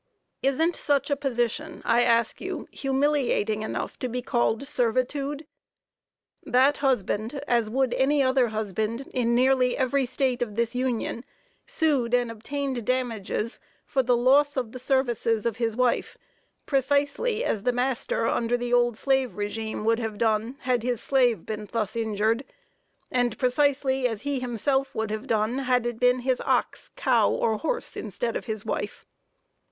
Isn't such a position, I ask you, humiliating enough to be called "servitude?" That husband, as would any other husband, in nearly every State of this Union, sued and obtained damages for the loss of the services of his wife, precisely as the master, under the old slave regime, would have done, had his slave been thus injured, and precisely as he himself would have done had it been his ox, cow or horse instead of his wife.